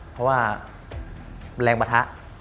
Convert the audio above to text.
เพราะว่าแรงปะทะ